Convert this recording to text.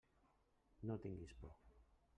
No tinguis por.